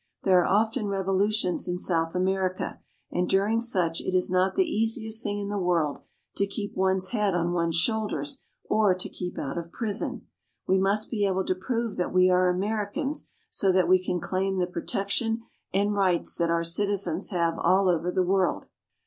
There are often revolutions in South America, and during such it is not the easiest thing in the world to keep one's head on one's shoulders or to keep out of prison. We must be able to prove that we are Americans, so that we can claim the protection and rights that our citizens have all over the world.